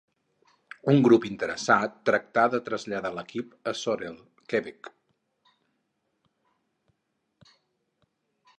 Un grup interessat tractà de traslladar l'equip a Sorel, Quebec.